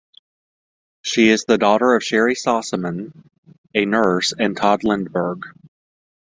She is the daughter of Sherry Sossamon, a nurse, and Todd Lindberg.